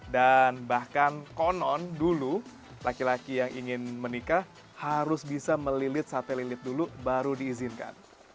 dan bahkan konon dulu laki laki yang ingin menikah harus bisa melilit sate lilit dulu baru diizinkan